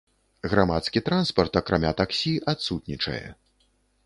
Грамадскі транспарт, акрамя таксі, адсутнічае.